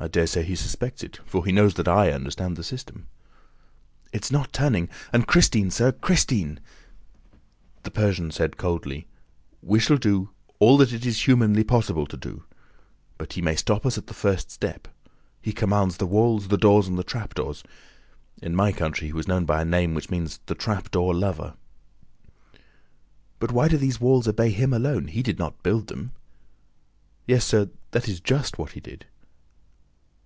"I dare say he suspects it, for he knows that I understand the system." "It's not turning! ... And Christine, sir, Christine?" The Persian said coldly: "We shall do all that it is humanly possible to do! ... But he may stop us at the first step! ... He commands the walls, the doors and the trapdoors. In my country, he was known by a name which means the 'trap door lover.'" "But why do these walls obey him alone? He did not build them!" "Yes, sir, that is just what he did!"